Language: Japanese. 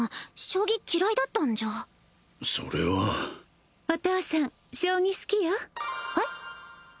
将棋嫌いだったんじゃそれはお父さん将棋好きよえっ？